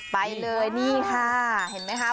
ไปเลยนี่ค่ะเห็นไหมคะ